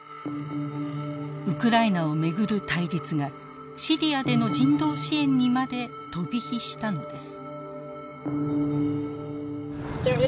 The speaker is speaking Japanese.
ウクライナを巡る対立がシリアでの人道支援にまで飛び火したのです。